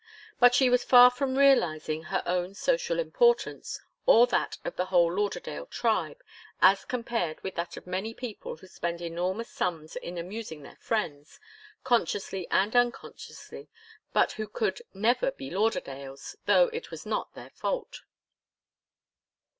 But she was far from realizing her own social importance, or that of the whole Lauderdale tribe, as compared with that of many people who spent enormous sums in amusing their friends, consciously and unconsciously, but who could never be Lauderdales, though it was not their fault.